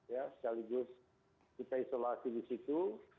ya sekaligus kita isolasi di situ